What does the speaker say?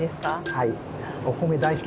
はい。